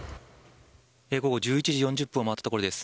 午後１１時４０分を待つところです。